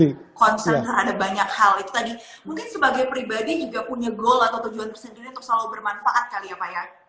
itu tadi mungkin sebagai pribadi juga punya goal atau tujuan persendirian untuk selalu bermanfaat kali ya pak ya